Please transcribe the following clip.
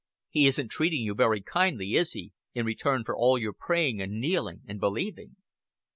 He isn't treating you very kindly, is He, in return for all your praying and kneeling and believing?'"